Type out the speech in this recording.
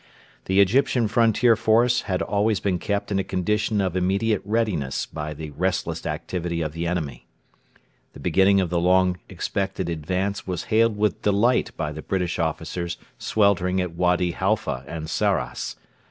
The Egyptian frontier force had always been kept in a condition of immediate readiness by the restless activity of the enemy. The beginning of the long expected advance was hailed with delight by the British officers sweltering at Wady Halfa and Sarras.